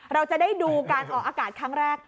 เราจะได้ดูการออกอากาศครั้งแรก